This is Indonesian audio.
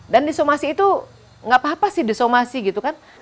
dan disomasi itu tidak apa apa sih disomasi gitu kan